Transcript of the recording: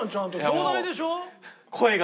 京大でしょ？